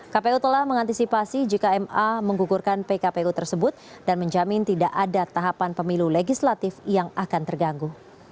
kpu telah mengantisipasi jika ma menggugurkan pkpu tersebut dan menjamin tidak ada tahapan pemilu legislatif yang akan terganggu